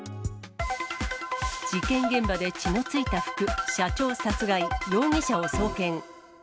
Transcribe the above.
事件現場で血のついた服、社長殺害、容疑者を送検。